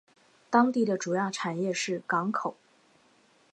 当地的主要产业是港口。